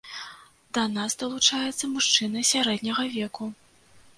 Да нас далучаецца мужчына сярэдняга веку.